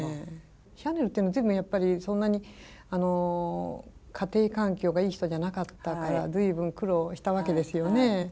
シャネルっていうのは随分やっぱりそんなに家庭環境がいい人じゃなかったから随分苦労したわけですよね。